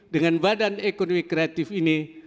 dengan badan ekonomi kreatif ini